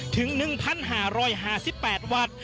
ถึง๑๕๕๘วัด